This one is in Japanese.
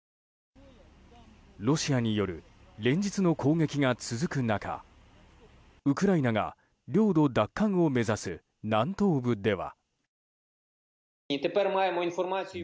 ロシアによる連日の攻撃が続く中ウクライナが領土奪還を目指す南東部では。